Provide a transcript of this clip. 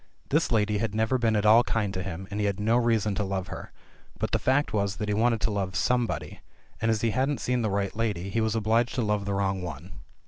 This lady had never been at all kind to him, and he had no reason to love her; but the fact was that he wanted to love somebody, and as he hadn't seen the right lady, he was obliged to love the wrong one.